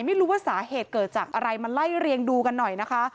ไม่รู้ว่าสาเหตุเกิดจากอะไรมาไล่เรียงดูกันหน่อยนะคะ